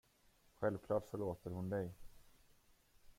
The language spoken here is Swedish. Självklart förlåter hon dig.